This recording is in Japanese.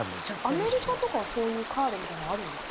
アメリカとかはそういうカードみたいなのあるんですか？